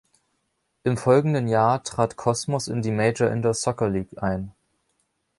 Im folgenden Jahr trat Cosmos in die Major Indoor Soccer League ein.